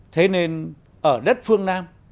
thế nên ở đất phương nam